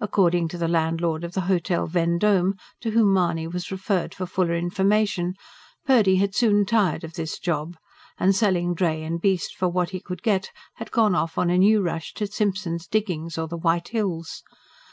According to the landlord of the "Hotel Vendome," to whom Mahony was referred for fuller information, Purdy had soon tired of this job, and selling dray and beast for what he could get had gone off on a new rush to "Simson's Diggings" or the "White Hills."